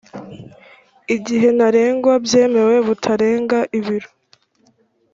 igihe ntarengwa bwemewe butarenga ibiro